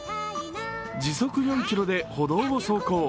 時速４キロで歩道を走行。